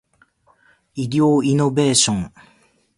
医療イノベーション